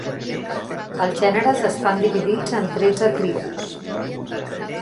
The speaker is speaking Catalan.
Els gèneres estan dividits en tretze tribus.